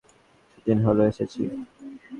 কিছুদিন হলো এসেছি।